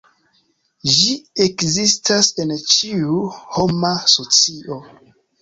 Ĝi ekzistas en ĉiu homa socio.